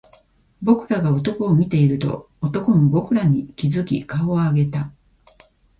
僕らが男を見ていると、男も僕らに気付き顔を上げた